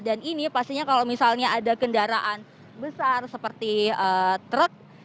dan ini pastinya kalau misalnya ada kendaraan besar seperti truk